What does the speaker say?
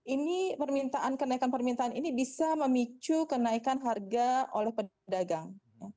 ini permintaan kenaikan permintaan ini bisa memicu kenaikan harga oleh pedagang